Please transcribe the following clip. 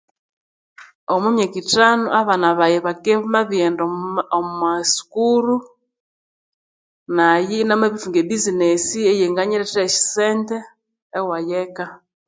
Omwa myaka ithano abana baghe bakebya ibamabirighenda omwa masukuru nayi inamabirithunga e buzinesi eyanganyirethera esyasente ewayi eka.